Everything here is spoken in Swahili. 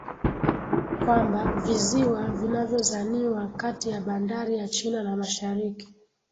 kwamba viziwa vinazozaniwa kati ya bandari ya china na mashariki